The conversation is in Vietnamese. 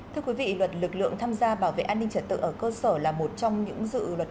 thưa quý vị luật lực lượng tham gia bảo vệ an ninh trật tự ở cơ sở là một trong những dự luật